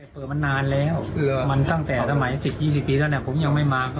เปิดมันนานแล้วมันตั้งแต่สมัยสิบยี่สิบปีเท่าไหร่ผมยังไม่มา